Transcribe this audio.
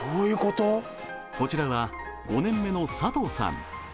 こちらは５年目の佐藤さん。